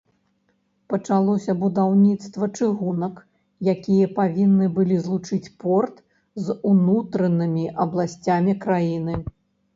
Пачалося будаўніцтва чыгунак, якія павінны былі злучыць порт з унутранымі абласцямі краіны.